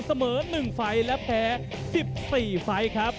เสมอ๑ไฟล์และแพ้๑๔ไฟล์ครับ